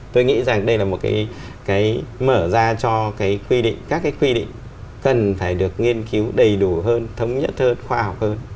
tôi nghĩ rằng đây là một cái mở ra cho cái quy định các cái quy định cần phải được nghiên cứu đầy đủ hơn thống nhất hơn khoa học hơn